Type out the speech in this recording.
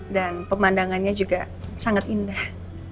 dan pemandangannya juga sangat indah